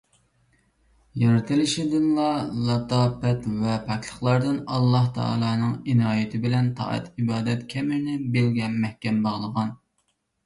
يارىتلىشدىنلا لاتاپەت ۋە پاكلىقلىرىدىن ئاللاھتائالانىڭ ئىنايىتى بىلەن تائەت - ئىبادەت كەمىرىنى بېلىگە مەھكەم باغلىغان.